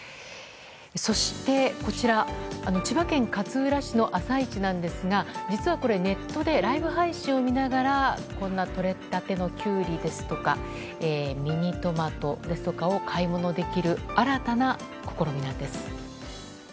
そして、こちら千葉県勝浦市の朝市なんですが実はこれネットでライブ配信を見ながらとれたてのキュウリですとかミニトマトですとかを買い物できる新たな試みなんです。